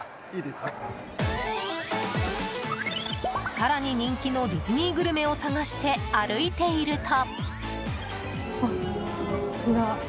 更に人気のディズニーグルメを探して歩いていると。